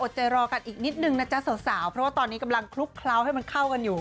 ใจรอกันอีกนิดนึงนะจ๊ะสาวเพราะว่าตอนนี้กำลังคลุกเคล้าให้มันเข้ากันอยู่